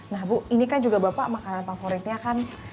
nah bu ini kan juga bapak makanan favoritnya kan